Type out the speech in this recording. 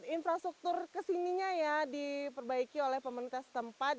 infrastruktur kesininya ya diperbaiki oleh pemerintah setempat